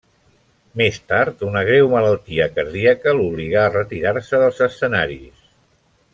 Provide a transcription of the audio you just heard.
Més tard una greu malaltia cardíaca l'obligà a retirar-se dels escenaris.